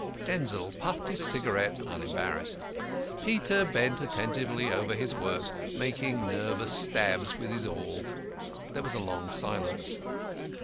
Denzil puffed his cigarette, unembarrassed. Peter bent attentively over his work, making nervous stabs with his awl. There was a long silence.